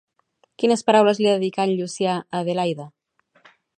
Quines paraules li dedicà en Llucià a Adelaida?